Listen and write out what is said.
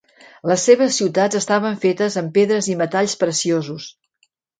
Les seves ciutats estaven fetes amb pedres i metalls preciosos.